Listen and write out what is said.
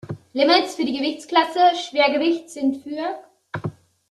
Limits für die Gewichtsklasse Schwergewicht sind für